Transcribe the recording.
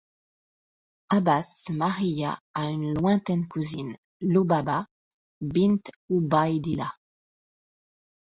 Abbas se maria à une lointaine cousine, Lubaba bint Ubaydillah.